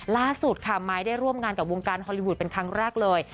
ล่าสุดค่ะไม้ได้ร่วมงานกับวงการฮอลลีวูดเป็นครั้งแรกเลย